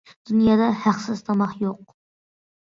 دۇنيادا ھەقسىز تاماق يوق.